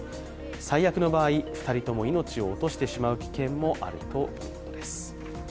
最悪の場合、２人とも命を落としてしまう危険もあるということです。